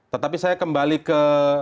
tetapi saya kembali ke